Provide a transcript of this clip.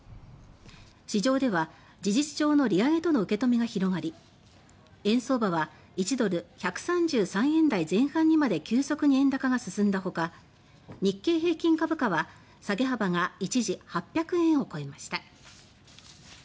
市場では「事実上の利上げ」との受け止めが広がり円相場は１ドル＝１３３円台前半にまで急速に円高が進んだほか日経平均株価は下げ幅が一時８００円を超えました。